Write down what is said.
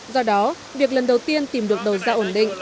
do đó việc lần đầu tiên tìm được đầu ra ổn định